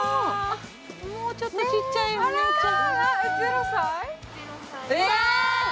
もうちょっとちっちゃいお姉ちゃん。